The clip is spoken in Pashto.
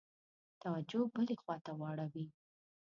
توجه بلي خواته واوړي.